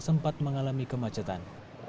sempat mengalami kemacetan